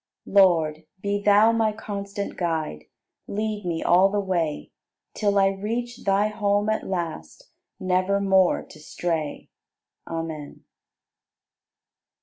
80. Lord, be Thou my constant Guide, Lead me all the way, Till I reach Thy home at last, Nevermore to stray. Amen.